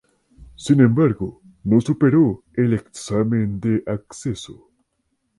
Sin embargo, no superó el examen de acceso.